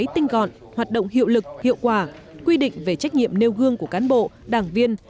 tinh gọn hoạt động hiệu lực hiệu quả quy định về trách nhiệm nêu gương của cán bộ đảng viên